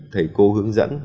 thầy cô hướng dẫn